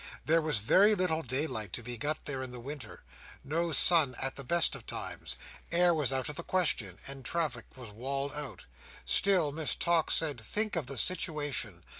There was very little daylight to be got there in the winter: no sun at the best of times: air was out of the question, and traffic was walled out. Still Miss Tox said, think of the situation!